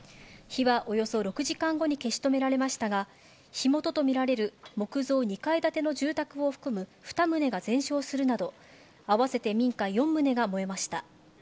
火はおよそ６時間後に消し止められましたが、火元と見られる木造２階建ての住宅を含む２棟が全焼するなど、合わせて民家４棟が燃えました。